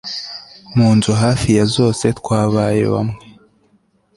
mu nzu hafi ya zose twabaye bamwe